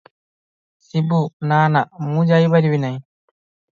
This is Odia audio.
ଶିବୁ ନା, ନା, ମୁଁ ଯାଇ ପାରିବି ନାହିଁ ।